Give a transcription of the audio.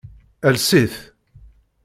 Ales-it.